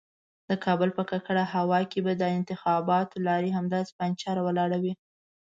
د کابل په ککړه هوا کې به د انتخاباتو لارۍ همداسې پنجر ولاړه وي.